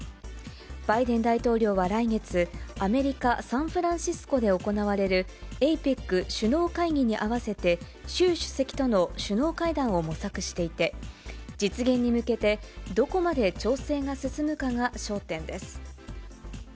バイデン大統領は来月、アメリカ・サンフランシスコで行われるＡＰＥＣ首脳会議に合わせて、習主席との首脳会談を模索していて、実現に向けて、どこまで調整が進むかが焦点です。